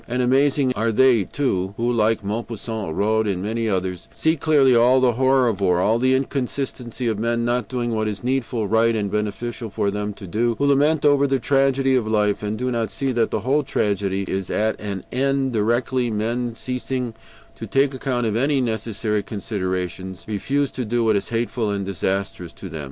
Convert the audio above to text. And amazing are they too, who, like Maupassant, Rod, and many others, see clearly all the horror of war, all the inconsistency of men not doing what is needful, right, and beneficial for them to do; who lament over the tragedy of life, and do not see that the whole tragedy is at an end directly men, ceasing to take account of any unnecessary considerations, refuse to do what is hateful and disastrous to them.